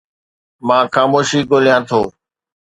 مان خاموشي ڳوليان ٿو